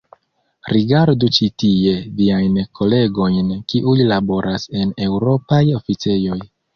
Rigardu ĉi tie viajn kolegojn kiuj laboras en eŭropaj oficejoj.